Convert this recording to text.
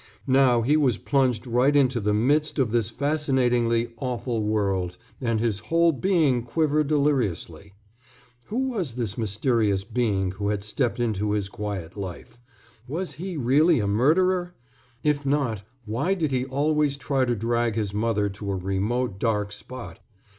Now he was plunged right into the midst of this fascinatingly awful world, and his whole being quivered deliriously. Who was this mysterious being who had stepped into his quiet life? Was he really a murderer? If not, why did he always try to drag his mother to a remote, dark spot?